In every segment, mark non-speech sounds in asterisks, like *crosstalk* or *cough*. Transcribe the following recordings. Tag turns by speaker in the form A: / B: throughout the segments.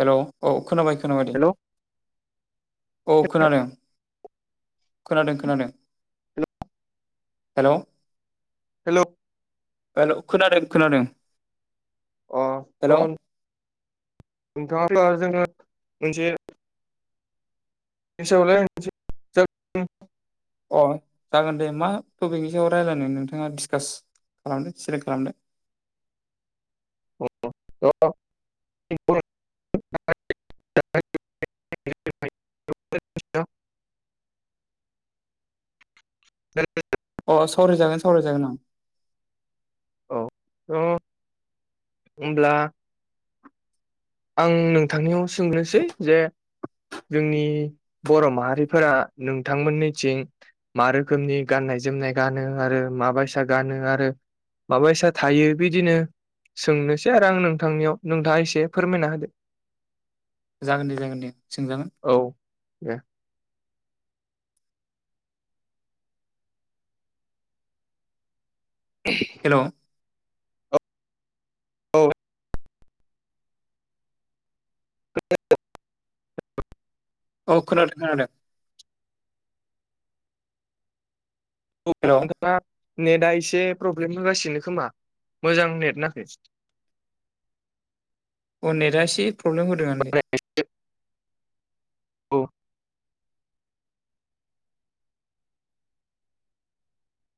A: हेल औ खोनाबाय खोनाबाय दे
B: हेल'
A: औ खोनादों। खोनादों खोनादों हेल।
B: हेल
A: हेल खोनादों खोनादों।
B: अ
A: हेलौ
B: नोंथाङ जोङो मोनसे एसेयावनो।
A: अ जागोन दे मा टपिकनि सायाव रायलायनो नोंथाङा डिसकास खालामदों सेलेक्ट खालामदों।
B: अ *unintelligible* *unintelligible* *unintelligible*
A: अ सावरायजागोन सावरायजागोन ओं।
B: औ थ होनब्ला। आं नोंथांनियाव सोंग्रोनोसै जे जोंनि बर माहारिफोरा नोंथांमोननिथिं। मा रोखोमनि गाननाय जोमनाय गानो आरो माबायसा गानो आरो। माबायसा थायो बिदिनो सोंनोसै आरो आं नोंथांनियाव नोंथाङा एसे। फोरमायना होदो।
A: जागोन दे जागोन दे सोंजागोन।
B: औ दे। *unintelligible*
A: हेल'
B: औ *unintelligible*
A: अ खोनादों खोनादों हेल'
B: मा नेटआ एसे प्रब्लेम होगासिनो खोमा मोजां नेट नाङाखै
A: अननेटआ एसे प्रब्लेम होदों आंलै।
B: *unintelligible* औ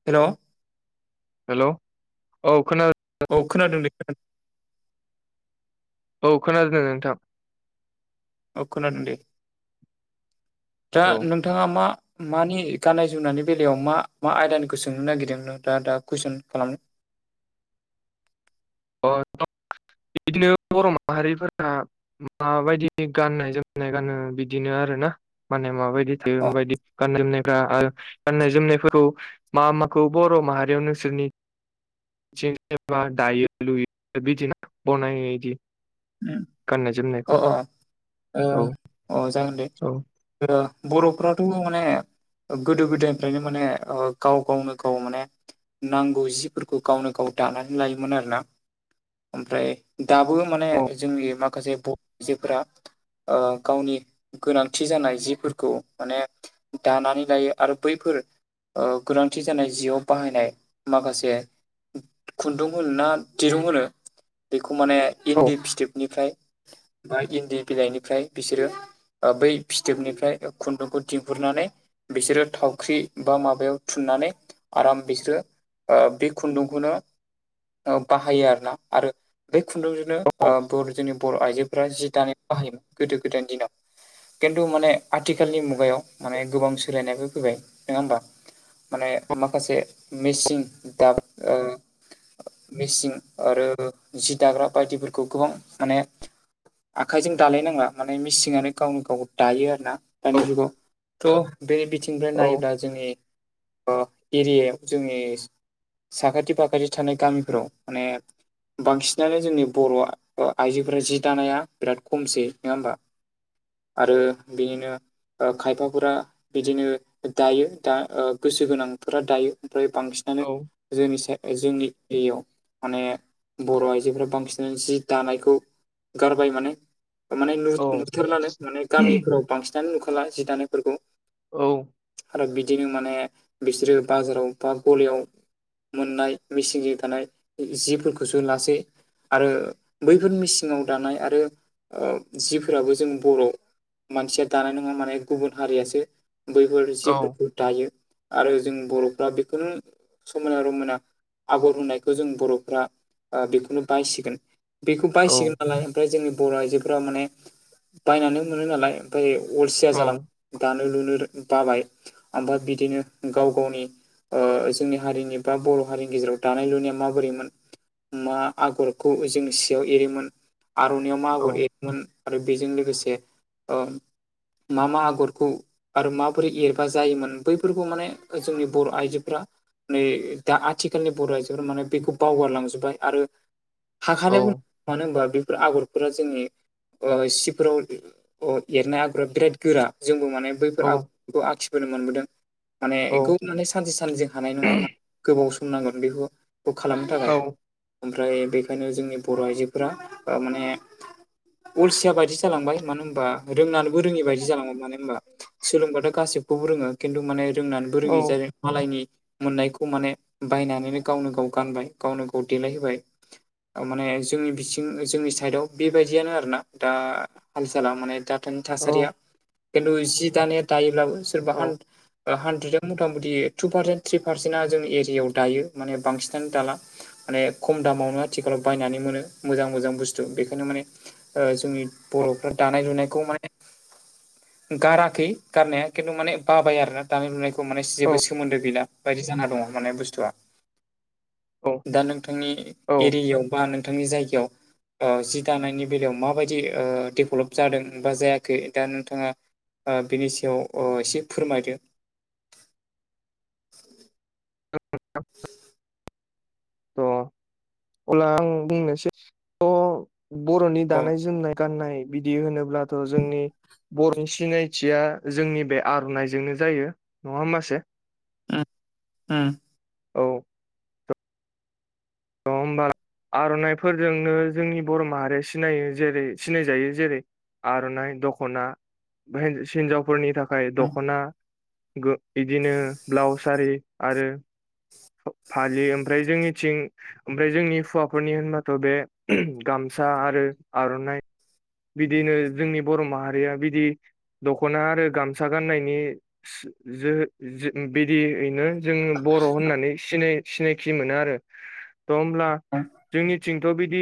A: हेल।
B: हेल औ खोनादों।
A: औ खोनादों दे खोनादों।
B: औ खोनादों नोंथां।
A: औ खोनादों दे। दा
B: औ
A: नोंथाङा मा मानि गाननाय जोमनायनि बेलायाव मा मा आयदानिखौ सोंनो नागिरदों नोंथाङा दा कुइसन खालामनो
B: अ बिदिनो बर' माहारिफोरा माबायदि गाननाय जोमनाय गानो बिदिनो आरो ना माने माबायदि
A: अ
B: *unintelligible* गाननाय जोमनायफोरखौ मा माखौ बर' माहारियाव नोंसोरनि दायो लुयो बनायो बिदि
A: अ अ
B: औ
A: अ जागोन दे
B: औ
A: बर'फ्राथ' माने गोदो गोदायनिफ्रायनो माने गाव गावनो गाव माने नांगौ जिफोरखौ गावनो गाव दानानै लायोमोन आरोना ओमफ्राय दाबो माने
B: औ
A: जोंनि माखासे आइजोफोरा गावनि गोनांथि जानाय जिफोरखौ माने दानानै लायो आरो बैफोर गोनांथि जानाय जिआव बाहायनाय माखासे खुन्दुं होनो ना दिरुं होनो बेखौ माने
B: औ
A: इन्दि फि निफ्राय बा इन्दि बिलाइनिफ्राय बिसोरो बै फिथोबनिफ्राय खुन्दुंखौ दिंहुरनानै बिसोरो थावख्रि बा माबायाव थुननानै आराम बिसोरो बे खुन्दुंखौनो बाहायो आरोना आरो बे खुन्दुं बर' जोंनि बर' आइजोफोरा जि दानाय बाहायोमोन गोदो गोदायनि दिनाव खिन्थु माने आथिखालनि मुगायाव माने गोबां सोलायनायबो फैबाय नङा होमबा माने माखासे मिसिं दाब मिसिं आरो जि दाग्रा बायदि खौ गोबां माने आखाइजों दालायनांला माने मिसिंङानो गावनो गाव दायो आरो ना
B: औ
A: दानि जुगाव थ' बे बिथिंनिफ्राय
B: औ
A: नायोब्ला जोंनि एरियायाव जोंनि साखाथि फाखाथि थानाय गामिफोराव माने बांसिनानो जोंनि बर' आइजोफोरा जि दानाया बिराद खमसै नङा होमबा आरो बिनिनो खायफाफोरा बिदिनो दायो दा गोसो गोनांफोरा दायो ओमफ्राय बांसिन
B: औ
A: जोंनि जोंनि एरिायाव माने बर' आइजोफोरा बांसिन जि दानायखौ गारबाय माने माने
B: औ
A: नुथारलानो माने गामिफ्राव बांसिनानो नुखाला जि दानायफोरखौ
B: औ ।
A: आरो बिदिनो माने बिसोरो बाजाराव बा गलियाव मोननाय मेसें थानाय जिफोरखौसो लासै आरो बैफोर मिसिङाव दानाय आरो जिफोराबो जों बर' मानसिया दानाय नङा माने गुबुन हारियासो बैफोर
B: औ
A: जिफोरखौ दायो आरो जों बर'फ्रा बेखौनो समायना रमायना आगर होनायखौ जों बर'फ्रा ओ- बेखौनो बायसिगोन बेखौ
B: औ
A: बायसिगोन नालाय ओमफ्राय जोंनि बर' आइजोफोरा माने बायनानै मोनो नालाय ओमफ्राय अलसिया
B: औ
A: जालां दानो लुनो बाबाय ओमफ्राय बिदिनो गाव गावनि जोंनि हारिनि बा बर' हारिनि गेजेराव दानाय लुनाया माबोरैमोन मा आगरखौ जों सियाव एरोमोन आर'नायइयाव मा
B: औ
A: आगर एर आरो बेजों लोगोसे मा मा आगरखौ आरो माबोरै एरबा जायोमोन बैफोरखौ माने जोंनि बर' आइजोफ्रा मै दा आथिखालनि बर' आइजोफोरा माने बेखौ बावगारलांजोबबाय आरो
B: औ
A: हाखार मानो होनबा बेफोर आगरफोरा जोंनि सिफोराव एरनाय आगरा बिराद गोरा जोंबो माने
B: औ
A: बैफोर आखखौ आखिबोनो मोनबोदों माने
B: औ
A: बेखौ माने सानसे साननजों हानाय नङा गोबाव सम नांगोन बेखौ खालामनो थाखाय । ओमफ्राय बेखायनो जोंनि बर' आइजोफोरा माने अलसिया बाय दि जालांबाय मानो होनबा रोंनानैबो रोङि बायदि जालांबाय मानो होनबा सोलोंबाथ' गाैबखौबो रोङो खिन्थु माने रोंनानैबो
B: औ
A: रोङि जादों मालायनि मोननायखौ माने बायनानैनो गावनो गाव गानबाय गावनो गाव देलायहोबाय माने जोंनि बिथिं जोंनि साइडआव बेबायदियानो आरोना दा हाल सला माने दा थासारिया खिन्थु जि दानाया दायोब्लाबो सोरबा हान हानद्रेडआव मथा मथि टु पार्सेन्ट थ्रि पारसेन्टआ जोंनि एरियाायाव दायो माने बांसिनानो दाला माने खम दामावनो आथिखालाव बायनानै मोनो मोजां मोजां बुस्थु बेखायनो माने ओ जोंनि बर'फ्रा दानाय लुनायखौ माने गाराखै गारनाया खिन्थु माने बाबाय आरो ना दानि लुनाय मे जेबो सोमोन्दो गैला बायदि जाना दङ माने बुस्थु दा नोंथां नोंथांनि
B: औ
A: एरियायाव बा नोंथांनि जायगायाव जि दानायनि बेलायाव माबायदि डेभेलप जादों बा जायाखै दा नोंथाङा ओ- बिनि सायाव ओ- एसे फोरमायदो ।
B: *unintelligible* थ' अब्ला आं बुंनोसै *unintelligible* बर'नि
A: अ
B: दानाय जोमनाय गाननाय बिदि होनोब्लाथ' जोंनि बर' सिनायथिया जोंनि बे आर'नाइजोंनो जायो नङा मासे?
A: उम ।
B: औ । नङा होमबा? आर'नाइफोरजोंनो जोंनि बर' माहारिया सिनायो जेरै सिनायजायो जेरै आर'नाइ दख'ना हिन्जावफोरनि थाखाय आय दख'ना बिदिनो ब्लाउस सारि आरो फालियो ओमफ्राय जोंनिथिं ओमफ्राय जोंनि हुवाफोरनि होनबाथ' बे गामसा आरो आर'नाइ बिदिनो जोंनि बर' माहारिया बिदि दख'ना आरो गामसा गाननायनि जो-जो- बिदियैनो जोङो बर' होननानै सिनाय सिनायखि मोनो आरो द' होमब्ला जोंनि थिंथ' बिदि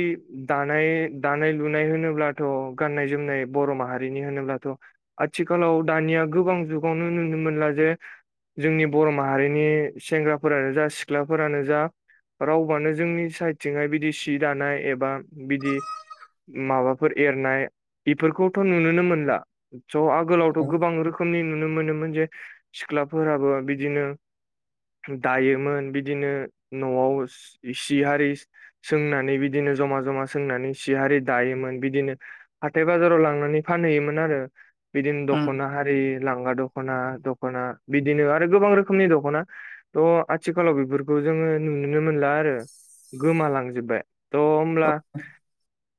B: दानाय दानाय लुनाय होनोब्लाथ' गाननाय जोमनाय बर' माहारिनि होनोब्लाथ' आथिखालाव दानिया गोबां जुगावनो नुनो मोनला जे जोंनि बर' माहारिनि सेंग्राफोरानो जा सिख्लाफोरानो जा रावबानो जोंनि साइडथिंहाय बिदि सि दानाय एबा बिदि माबाफोर एरनाय बेफोरखौथ' नुुनोनो मोनला स' आगोलावथ' गोबां रोखो खोमनि नुनो मोनोमोन जे सिख्लाफोराबो बिदिनो दायोमोन। बिदिनो न'आव सि हारि सोंनानै बिदिनो जमा जमा सोंनानै सियारि दायोमोन बिदिनो हाथाय बाजाराव लांनानै फानहैयोमोन आरो बिदिनो दख'ना हा लांगा दख'ना दख'ना बिदिनो आरो गोबां रोखोमनि दख'ना थ' आथि खालाव बेफोरखौ जोङो नुोननो मोनला आरो गोमालांजोबबाय। थ' होमब्ला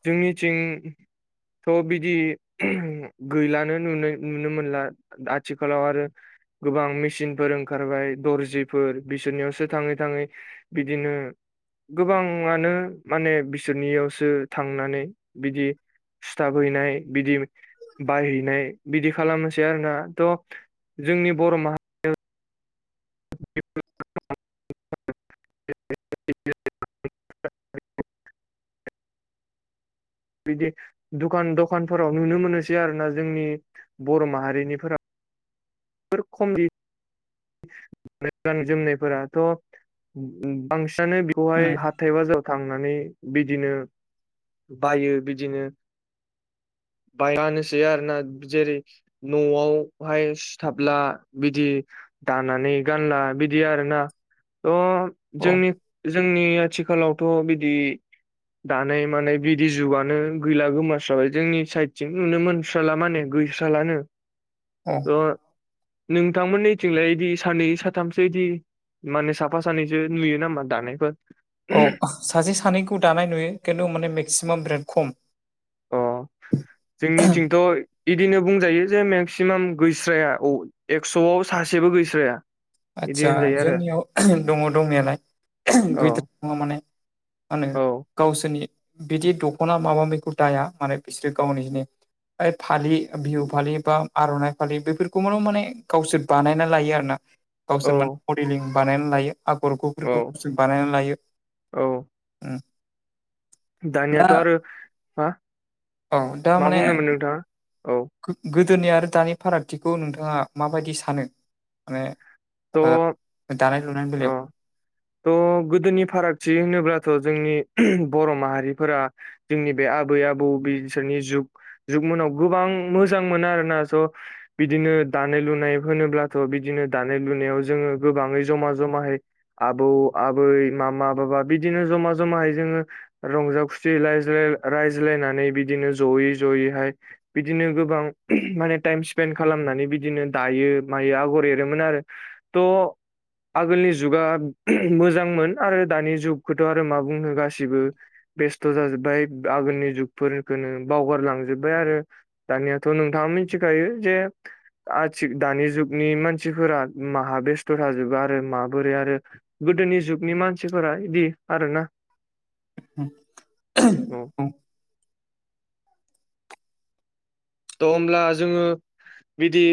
B: जोंनिथिं थ' बिदि गैलानो नुनो नुनो मोनला । आथिखालाव आरो गोबां मेचिनफोर ओंखारबाय दर्जिफोर बिसोरनियाव सो थाङै-थाङै बिदिनो गोबाङानो माने बिसोरनियावसो थांनानै बिदि सिथाब हैनाय बिदि बायहैनाय बिदि खालामनोसै आरोना थह जोंनि बर' माहारि *unintelligible* *unintelligible* बिदि दखान दखानफोराव नुनो मोनोसै आरो ना जोंनि बर' माहारिनिफोराव फोर खम दि गान जोमनायफोराथ' बांसिनानो खौहाय हाथाय बाजाराव थांनानै बिदिनो बायो बिदिनो बाय हानोसै आरोना जेरै न'आवहाय सिथाबला बिदि दानानै गानला बिदि आरोना थ'
A: औ
B: जोंनि जोंनि आथिखालाव थ' बिदि दानाय मानाय बिदि जुगानो गैला गोमास्राबाय जोंनि साइदथि नुनो मोनस्राला माने गैस्रालानो
A: औ
B: थ' नोंथां मोननिथिंलाया बिदि साननै साथामसो बिदि माने साफा सानैसो नुयो नामा दानायफोर?
A: औ सासे सानैखौ दानाय नुयो खिन्थु माने मेक्सिमाम बेराद खम।
B: अ जोंनिथिंथ' इदिनो बुंजायो जे मेक्सिमाम गैस्राया औ एक्स'आव सासेबो गैस्राया। इदि
A: आदसा
B: होनजायो आरो
A: जोंनियाव दङ दंनायालाय
B: औ
A: गैद्रायै नङा माने। मा होनो
B: औ
A: गावसोरनि बिदि दख'ना माबा मिखौ दाया माने बिसोरो गावनि जनि फालि बिहु फालि बा आर'नाइ फालि बेफोरखौब' माने गावसोर बानायना लायो आरो ना। गावसोर मान
B: औ
A: अडिलिं बानायना लायो आगर
B: औ
A: गुबफोरखौ बानायना लायो।
B: औ
A: ओम
B: दानियाथ' आरो हा
A: औ दा
B: मा
A: माने
B: बुंदोंमोन नोंथाङा औ
A: गोदोनि आरो दानि फारागथिखौ नोंथाङा माबायदि सानो माने ओ
B: थ'
A: दानाय लुनायनि
B: अ
A: बेलायाव।
B: थ' गोदोनि फारागथि होनोब्लाथ' जोंनि बर' माहारिफोरा जोंनि बे आबै आबौ बिसोरनि जुग जुगमोननाव गोबां मोजां मोनो आरोना स' बिदिनो दानाय लुनाय होनोब्लाथ' बिदिनो दानाय लुनायाव जोङो गोबाङै जमा जमायै आबौ आबै मामा बाबा बिदिनो जमा जमायै जोङो रंजा खुसियै रायज्लाय रायज्लायनानै बिदिनो जयै जयैहाय बिदिनो गोबां माने टाइम स्पेन्ड खालामनानै बिदिनो दायो मायो आगर एरोमोन आरो। त आगोलनि जुगा मोजांमोन आरो दानि जुगखौथ' आरो मा बुंनो गासिबो बेस्थ' जाजोब्बाय आगोलनि जुगफोरखौनो बावगारलांजोबबाय आरो। दानियाथ' नोंथाङा मिथिखायो जे आथि दानि जुगनि मानसिफोरा माहा बेस्थ' थाजोबो आरो माबोरै आरो गोदोनि जुगनि मानसिफोरा इदि आरोना
A: *inaudible*
B: औ थ' होमब्ला जोङो बिदि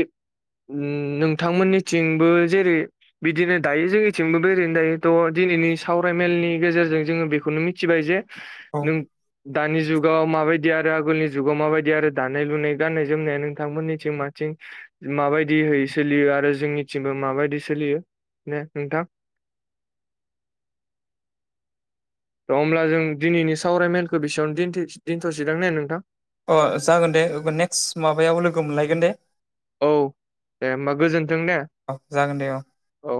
B: नोंथांमोननिथिंबो जेरै बिदिनो दायो जोंनिथिंबो बेरैनो दायो थ' दिनैनि सावरायमेलनि गेजेरजों जोङो बेखौनो मिथिबाय जे
A: औ
B: नों दानि जुगाव माबायदि आरो आगोलनि जुगाव माबायदि आरो दानाय लुनाय गाननाय जोमनाया नोंथांमोननिथिं माथिं माबायदिहाय सोलियो आरो जोंनि थिंमबो माबायदि सोलियो ने नोंथां। त' होमब्ला जों दिनैनि सावरायमेलखौ बेसेयावनो दिन्थि दोनथ'सिदों ने नोंथां।
A: अ जागोन दे नेक्स्ट माबायाव लोगो मोनलायगोन दे।
B: औ दे होनोमबा गोजोन्थों दे।
A: औ जागोन दे औ।
B: औ